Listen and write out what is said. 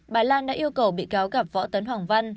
bà lan đã yêu cầu bị cáo gặp võ tấn hoàng văn